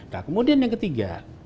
nah kemudian yang ketiga